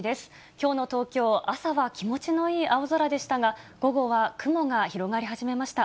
きょうの東京、朝は気持ちのいい青空でしたが、午後は雲が広がり始めました。